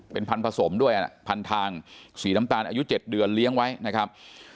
เป็นพันธสมด้วยพันทางสีน้ำตาลอายุ๗เดือนเลี้ยงไว้นะครับ